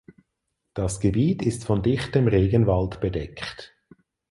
Das Gebiet ist von dichtem Regenwald bedeckt.